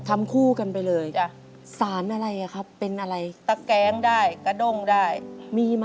ทำคู่กันไปเลยสารอะไรครับเป็นอะไรครับครับ